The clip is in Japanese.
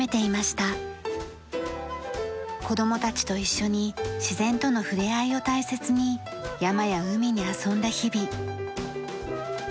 子供たちと一緒に自然とのふれあいを大切に山や海に遊んだ日々。